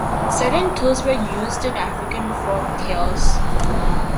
Certain tools were used in African folktales.